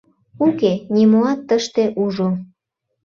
Уке нимоат тыште ужо